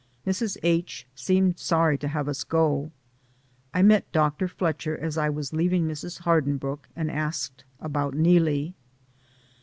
Mrs. H. seemed sorry to have us go. I met Dr. Fletcher as I was leaving Mrs. Hardin brooke and asked about Neelie.